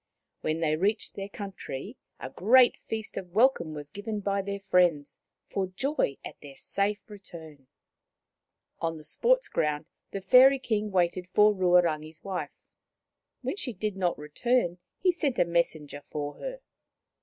When they reached their coun try, a great feast of welcome was given by their friends, for joy at their safe return. On the sports ground the Fairy King waited for Ruarangi's wife. When she did not return, he sent a messenger for her.